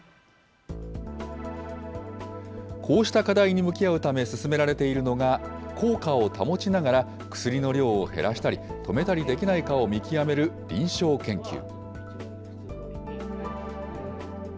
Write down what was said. こうした課題に向き合うため、進められているのが、効果を保ちながら、薬の量を減らしたり、止めたりできないかを見極める臨床研究。